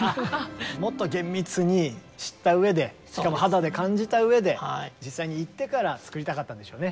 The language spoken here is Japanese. もっと厳密に知ったうえでしかも肌で感じたうえで実際に行ってから作りたかったんでしょうね。